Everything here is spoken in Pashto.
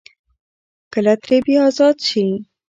کله ترې بيا ازاد شي ـ